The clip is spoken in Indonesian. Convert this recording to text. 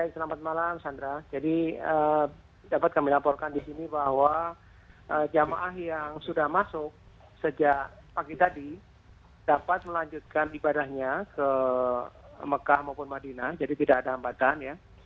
selamat malam sandra jadi dapat kami laporkan di sini bahwa jemaah yang sudah masuk sejak pagi tadi dapat melanjutkan ibadahnya ke mekah maupun madinah jadi tidak ada hambatan ya